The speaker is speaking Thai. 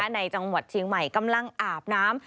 ในจังหวัดเชียงใหม่กำลังอาบน้ำ